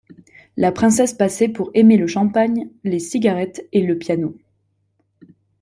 La princesse passait pour aimer le champagne, les cigarettes et le piano.